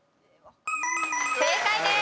正解です。